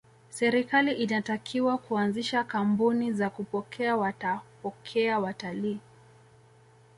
serikali inatakiwa kuanzisha kambuni za kupokea watapokea watalii